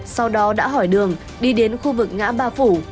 sau đó đã hỏi đường đi đến khu vực ngã ba phủ